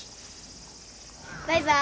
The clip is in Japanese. バイバイ。